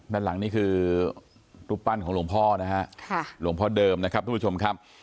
ด้านหลังนี่คือรูปปั้นของหลวงพ่อนะฮะหลวงพ่อเดิมนะครับทุกผู้ชมครับ